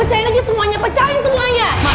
pecahin lagi semuanya pecahin semuanya